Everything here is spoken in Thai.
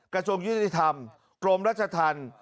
กระจงยุณิธรรมกรมรัชธรรม